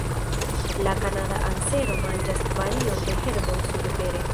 La Kanada ansero manĝas varion de herboj surtere.